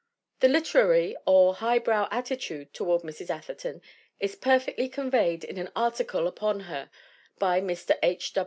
The "literary" or highbrow attitude toward Mrs. Atherton is perfectly conveyed in an article upon her by Mr. H.